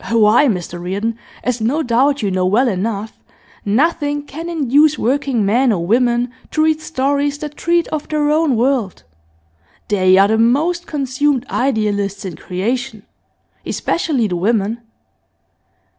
Why, Mr Reardon, as no doubt you know well enough, nothing can induce working men or women to read stories that treat of their own world. They are the most consumed idealists in creation, especially the women.